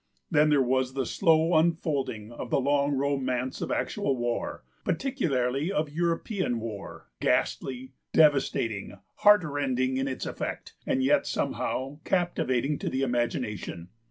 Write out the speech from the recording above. Then there was the slow unfolding of the long romance of actual war, particularly of European war, ghastly, devastating, heartrending in its effect, and yet somehow captivating to the imagination.